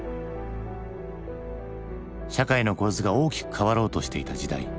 社会の構図が大きく変わろうとしていた時代。